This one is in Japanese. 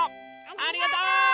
ありがとう！